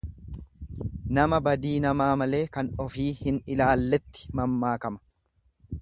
Nama badii namaa malee kan ofii hin ilaalletti mammaakama.